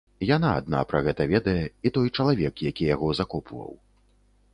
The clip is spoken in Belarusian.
Яна адна пра гэта ведае і той чалавек, які яго закопваў.